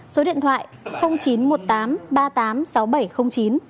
số điện thoại chín trăm một mươi tám ba mươi tám sáu nghìn bảy trăm linh chín